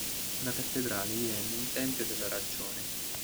La cattedrale divenne un tempio della ragione.